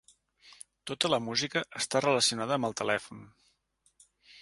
Tota la música està relacionada amb el telèfon.